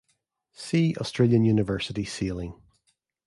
See Australian University Sailing.